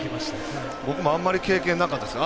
僕もあまり経験なかったです。